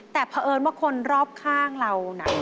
แต่เพราะเอิญว่าคนรอบข้างเราน่ะ